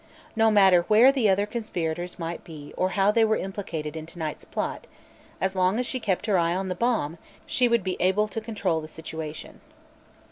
No matter where the other conspirators might be or how they were implicated in tonight's plot, as long as she kept her eye on the bomb, she would be able to control the situation.